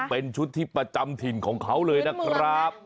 เป็นชุดที่ประจำถิ่นของเขาเลยนะครับ